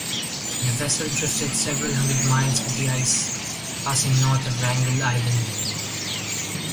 The vessel drifted several hundred miles with the ice, passing north of Wrangel Island.